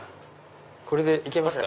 これで行けますか？